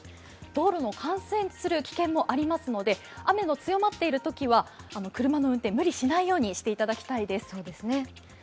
道路も冠水する危険もありますので車の運転、無理しないようにしていただきたいです。